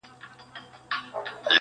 مخ که مي کعبې- که بتخاتې ته اړولی دی-